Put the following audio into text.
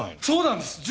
そうなんです！